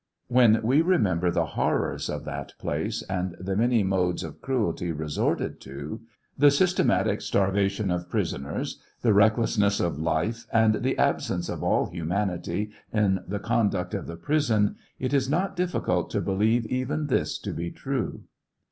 When we remember the horrors of that place and the many modes of cruelty resorted to, the systematic starvation of prisoners, the recklessness of life and the absence of all humanity in the conduct of the prison, it is not difficult to believe even this to b.e true.